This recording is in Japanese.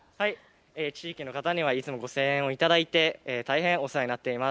地域の方にはいつもご声援をいただいて大変お世話になっています。